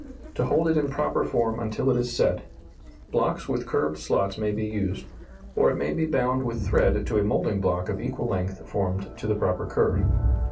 To hold it in proper form until it is set, blocks with curved slots may be used, or it may be bound with thread to a moulding block of equal length formed to the proper curve.